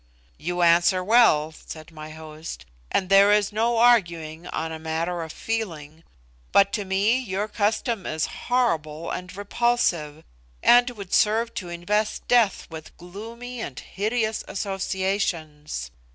"You answer well," said my host, "and there is no arguing on a matter of feeling; but to me your custom is horrible and repulsive, and would serve to invest death with gloomy and hideous associations.